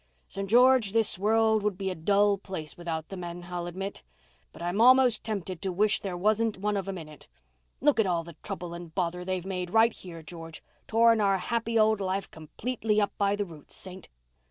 "St. George, this world would be a dull place without the men, I'll admit, but I'm almost tempted to wish there wasn't one of 'em in it. Look at the trouble and bother they've made right here, George—torn our happy old life completely up by the roots, Saint.